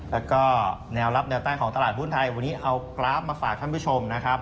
แล้วก็แนวรับแนวตั้งของตลาดหุ้นไทยวันนี้เอากราฟมาฝากท่านผู้ชมนะครับ